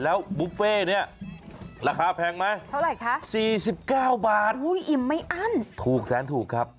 แล้วบุฟเฟ่เนี่ยราคาแพงไหมเท่าไหร่คะ๔๙บาทอิ่มไม่อั้นถูกแสนถูกครับ